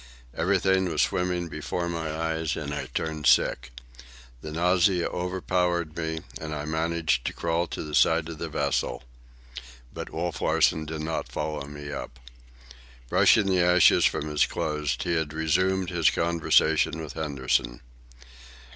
Everything was swimming before my eyes, and I turned sick. The nausea overpowered me, and I managed to crawl to the side of the vessel. But Wolf Larsen did not follow me up. Brushing the ashes from his clothes, he had resumed his conversation with Henderson.